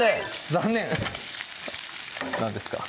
残念何ですか？